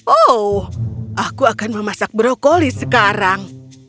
oh aku akan memasak brokoli sekarang